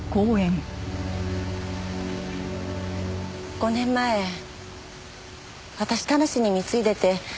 ５年前私田無に貢いでて。